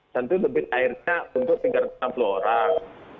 tentu debit airnya untuk tiga ratus enam puluh orang